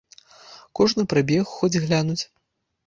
Кожны прыбег хоць глянуць.